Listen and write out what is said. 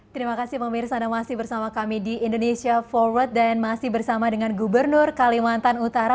terima kasih pak memirsa anda masih bersama kami di indonesia for flat dan masih bersama dengan gubernur kalimantan utara